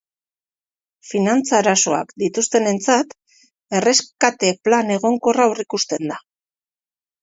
Finantza arazoak dituztenentzat, erreskate plan egonkorra aurreikusten da.